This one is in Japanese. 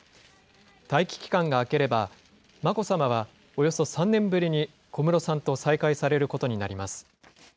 待機期間が明ければ、眞子さまはおよそ３年ぶりに小室さんと再会されることになります。